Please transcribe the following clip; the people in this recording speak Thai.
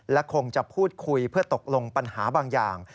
และคงจะพูดคุยเพื่อตกลงปัญหาบางอย่าง